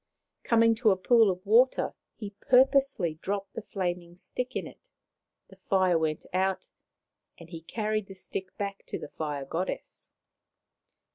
Coming to a pool of water, he purposely dropped the flaming stick in it. The fire went out, and he carried the stick back to the Fire Goddess.